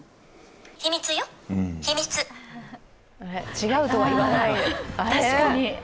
違うとは言わない。